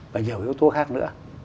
và nhiều yếu tố khác nữa